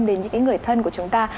đến những người thân của chúng ta